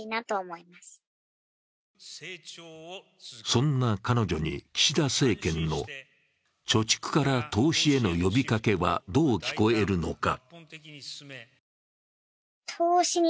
そんな彼女に岸田政権の貯蓄から投資への呼びかけはどう聞こえるのか。